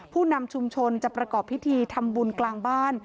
ผู้นำชุมชนจะประกอบพิธีทำบุญกลางบ้าน